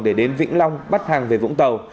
để đến vĩnh long bắt hàng về vũng tàu